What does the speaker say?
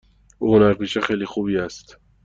او هنرپیشه خیلی خوبی است.